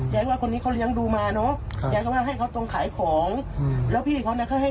ช่วยใหญ่มาไหนได้แล้วที่นี่ช่วยใหญ่แม่